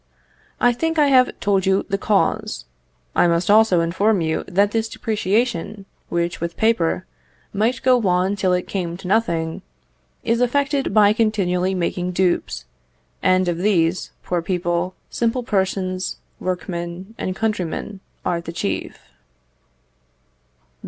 I think I have told you the cause. I must also inform you, that this depreciation, which, with paper, might go on till it came to nothing, is effected by continually making dupes; and of these, poor people, simple persons, workmen and countrymen are the chief.